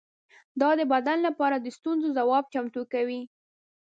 دا د بدن لپاره د ستونزو ځواب چمتو کوي.